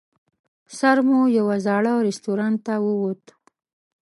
سر مو یوه زاړه رستورانت ته ووت.